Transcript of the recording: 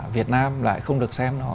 việt nam lại không được xem nó